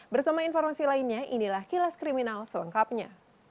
bersama informasi lainnya inilah kilas kriminal selengkapnya